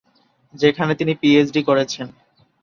যেখানে তিনি পিএইচডি করেছেন।